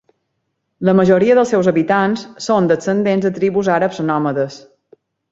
La majoria dels seus habitants són descendents de tribus àrabs nòmades.